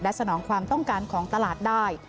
สนองความต้องการของตลาดได้